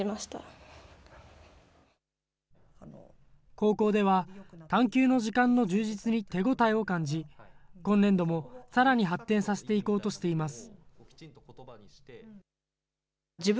高校では、探究の時間の充実に手応えを感じ、今年度もさらに発展させていこうとしています。